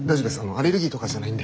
アレルギーとかじゃないんで。